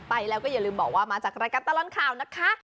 ไปแล้วก็อย่าลืมบอกว่ามาจากรายการตลอดข่าวนะคะ